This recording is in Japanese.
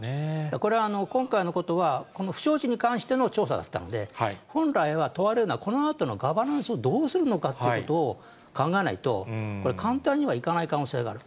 これは今回のことは、この不祥事に関しての調査だったので、本来は問われるのは、このあとのガバナンスをどうするのかということを考えないと、これ、簡単にはいかない可能性があると。